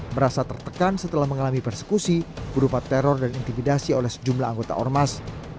merasa tertekan setelah mengalami persekusi berupa teror dan intimidasi oleh sejumlah anggota ormas